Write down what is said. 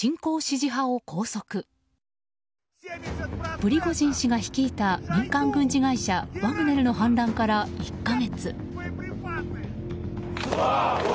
プリゴジン氏が率いた民間軍事会社ワグネルの反乱から１か月。